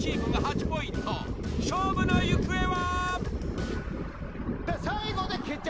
勝負の行方は！？